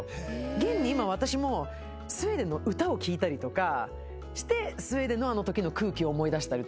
現に今私もスウェーデンの歌を聴いたりとかしてスウェーデンのあのときの空気を思い出したりとかしてるんですね。